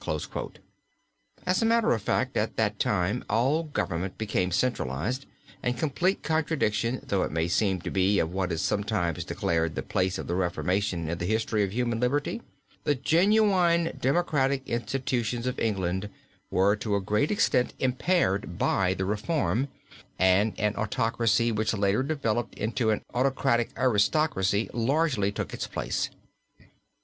As a matter of fact, at that time all government became centralized, and complete contradiction though it may seem to be of what is sometimes declared the place of the reformation in the history of human liberty, the genuine democratic institutions of England were to a great extent impaired by the reform, and an autocracy, which later developed into an autocratic aristocracy, largely took its place.